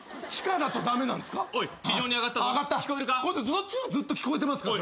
そっちはずっと聞こえてますから。